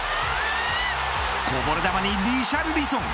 こぼれ球にリシャルリソン。